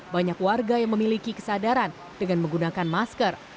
banyak warga yang memiliki kesadaran dengan menggunakan masker